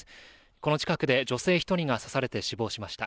この近くで女性１人が刺されて死亡しました。